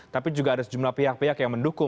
tapi juga ada sejumlah pihak pihak yang mendukung